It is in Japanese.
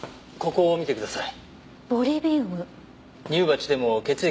これ見てください。